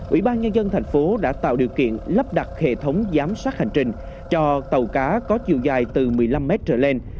ủy ban nhân dân thành phố đã tạo điều kiện lắp đặt hệ thống giám sát hành trình cho tàu cá có chiều dài từ một mươi năm mét trở lên